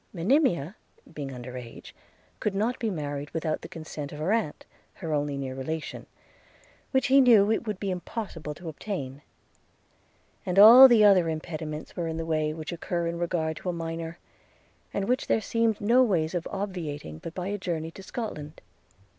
Monimia, being under age, could not be married without the consent of her aunt, her only near relation, which he knew it would be impossible to obtain; and all the other impediments were in the way which occur in regard to a minor, and which there seemed no ways of obviating but by a journey to Scotland.